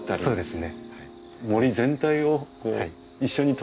そうですね。